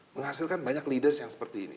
menghasilkan banyak leaders yang seperti ini